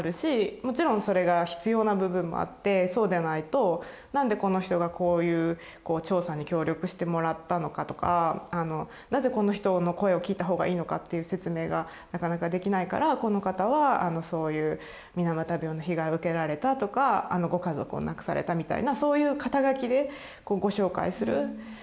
もちろんそれが必要な部分もあってそうじゃないとなんでこの人がこういう調査に協力してもらったのかとかなぜこの人の声を聞いたほうがいいのかっていう説明がなかなかできないからこの方はそういう水俣病の被害を受けられたとかご家族を亡くされたみたいなそういう肩書でご紹介する。